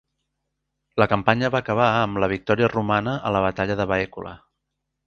La campanya va acabar amb la victòria romana a la batalla de Baecula.